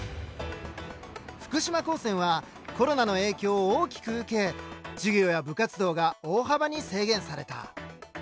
福島高専はコロナの影響を大きく受け授業や部活動が大幅に制限された。